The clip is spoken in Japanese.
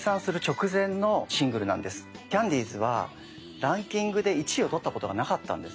キャンディーズはランキングで１位を取ったことがなかったんです。